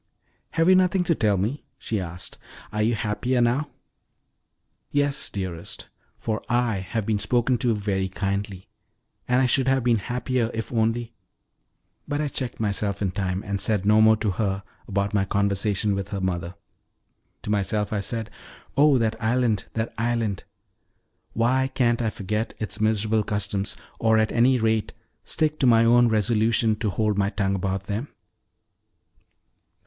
"Have you nothing to tell me?" she asked. "Are you happier now?" "Yes, dearest, for I have been spoke to very kindly; and I should have been happier if only " But I checked myself in time, and said no more to her about my conversation with the mother. To myself I said: "Oh, that island, that island! Why can't I forget its miserable customs, or, at any rate, stick to my own resolution to hold my tongue about them?"